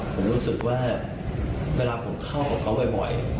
ผมรู้สึกว่าเวลาผมเข้ากับเขาบ่อย